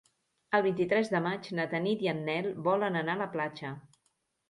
El vint-i-tres de maig na Tanit i en Nel volen anar a la platja.